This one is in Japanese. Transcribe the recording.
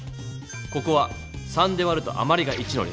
ここは３で割るとあまりが１の列。